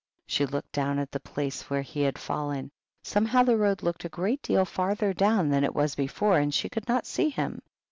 She looked down at the place where he had fallen; somehow the road looked a great deal farther down than it was before, and she could not see him.